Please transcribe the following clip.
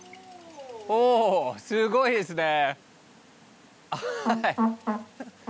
おお。おすごいですね。